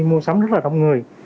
mua sắm rất là đông người